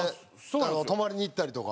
泊まりに行ったりとか。